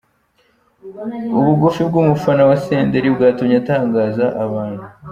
Ubugufi bw’umufana wa Senderi bwatumye atangaza abantu:.